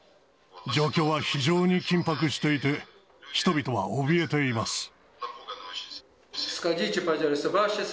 状況は非常に緊迫していて、人々はおびえています。